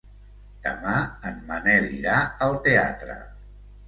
Demà en Manel irà al teatre.